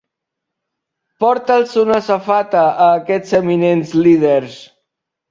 Porta'ls una safata a aquests eminents líders.